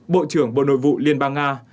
bộ trưởng bộ nội vụ liên bang nga